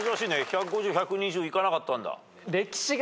１５０１２０いかなかったんだ。